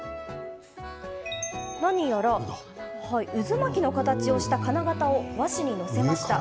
何やら渦巻きの形をした金型を和紙に載せました。